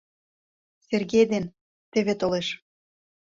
Сергей ден... теве толеш.